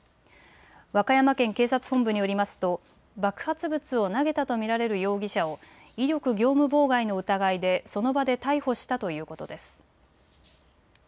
和歌山県警察本部によりますと爆発物を投げたと見られる容疑者を威力業務妨害の疑いでその場で逮捕したということです。